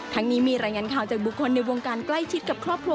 นี้มีรายงานข่าวจากบุคคลในวงการใกล้ชิดกับครอบครัว